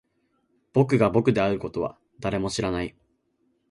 僕が僕であることは誰も知らない